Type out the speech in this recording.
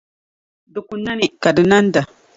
Di ku nani ka di nanda.